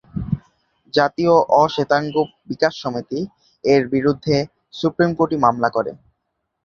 জাতীয় অ-শ্বেতাঙ্গ বিকাশ সমিতি এর বিরুদ্ধে সুপ্রিম কোর্টে মামলা করে।